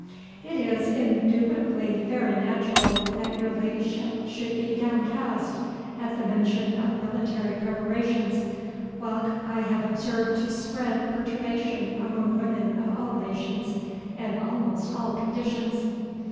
"It is indubitably very natural that your ladyship should be downcast at the mention of military preparations, whilk I have observed to spread perturbation among women of all nations, and almost all conditions.